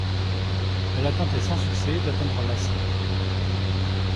Elle a tenté sans succès d'atteindre Lhassa.